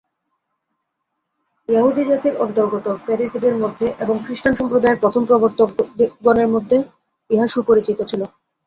য়াহুদীজাতির অন্তর্গত ফ্যারিসীদের মধ্যে এবং খ্রীষ্টান সম্প্রদায়ের প্রথম প্রবর্তকগণের মধ্যে ইহা সুপরিচিত ছিল।